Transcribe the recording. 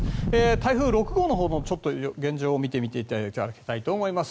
台風６号のほうの現状を見ていただきたいと思います。